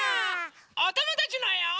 おともだちのえを。